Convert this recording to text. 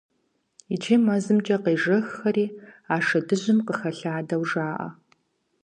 Иджы мэзымкӀэ къежэххэри а шэдыжьым къыхэлъадэу жаӀэ.